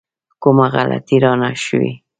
کومه غلطي رانه شوې.